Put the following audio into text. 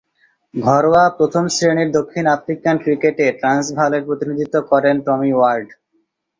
ঘরোয়া প্রথম-শ্রেণীর দক্ষিণ আফ্রিকান ক্রিকেটে ট্রান্সভালের প্রতিনিধিত্ব করেন টমি ওয়ার্ড।